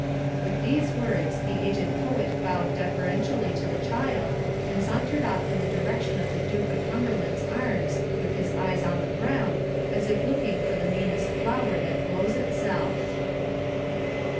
With these words the aged poet bowed deferentially to the child and sauntered off in the direction of the Duke of Cumberland's Arms, with his eyes on the ground, as if looking for the meanest flower that blows itself.